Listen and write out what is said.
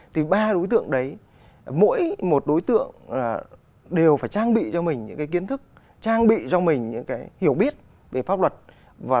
thì ba đối tượng đấy mỗi một đối tượng đều phải trang bị cho mình những kiến thức trang bị cho mình những hiểu biết về pháp luật